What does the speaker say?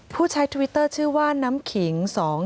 ผู้ใช้ทวิตเตอร์ชื่อว่าน้ำขิง